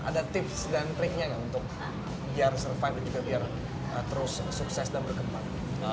ada tips dan triknya nggak untuk biar survive dan juga biar terus sukses dan berkembang